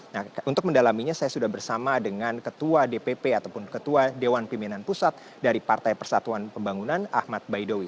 nah untuk mendalaminya saya sudah bersama dengan ketua dpp ataupun ketua dewan pimpinan pusat dari partai persatuan pembangunan ahmad baidowi